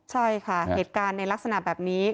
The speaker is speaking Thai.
ใช่ค่ะเหตุการณ์ในลักษณะแบบนี้